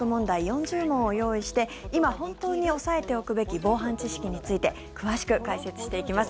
４０問を用意して今、本当に押さえておくべき防犯知識について詳しく解説していきます。